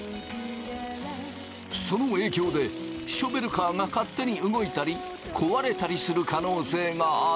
その影響でショベルカーが勝手に動いたりこわれたりする可能性がある。